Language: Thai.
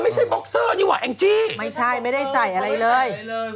ไม่ใช่ไม่ได้ใส่อะไรเลย